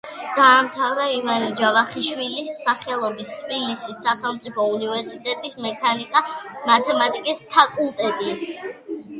დაამთავრა ივანე ჯავახიშვილის სახელობის თბილისის სახელმწიფო უნივერსიტეტის მექანიკა-მათემატიკის ფაკულტეტი.